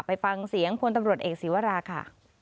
ไปฟังเสียงพลตำรวจเอกศีวราค่ะ